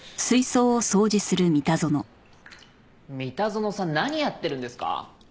三田園さん何やってるんですか？